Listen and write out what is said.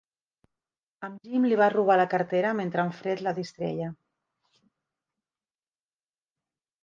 En Jim li va robar la cartera mentre en Fred la distreia.